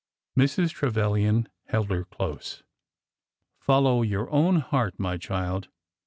Mrs. Trevilian held her close. '' Follow your own heart, my child.